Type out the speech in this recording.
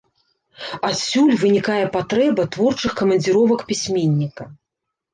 Адсюль вынікае патрэба творчых камандзіровак пісьменніка.